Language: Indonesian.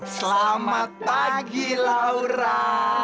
selamat pagi laura